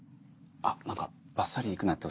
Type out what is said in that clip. あ何かバッサリいくなって。